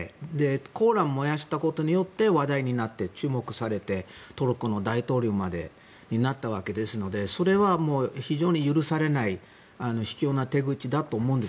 コーランを燃やしたことによって話題になって注目されてトルコの大統領までになったわけですのでそれは非常に許されない卑怯な手口だと思うんです。